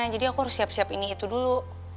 jadi aku harus siap siap ini itu dulu